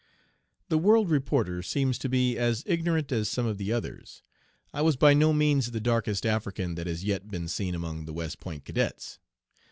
The World reporter seems to be as ignorant as some of the others. I was by no means the "darkest 'African' that has yet been seen among the West Point cadets."